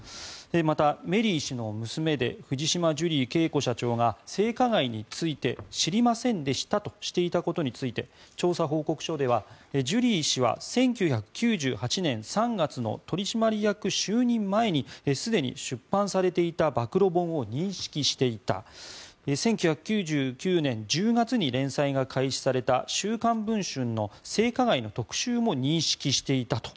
また、メリー氏の娘で藤島ジュリー景子社長が性加害について知りませんでしたとしていたことについて調査報告書ではジュリー氏は１９９８年３月の取締役就任前にすでに出版されていた暴露本を認識していた１９９９年１０月に連載が開始された「週刊文春」の性加害の特集も認識していたと。